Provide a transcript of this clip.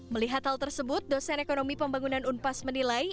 melihat hal tersebut dosen ekonomi pembangunan unpas menilai